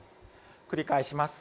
繰り返します。